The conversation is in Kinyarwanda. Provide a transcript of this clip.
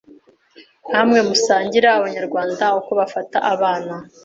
Nka mwe musangize Abanyarwanda uko bafata abana